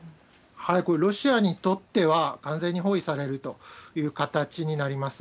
これはロシアにとっては、完全に包囲されるという形になります。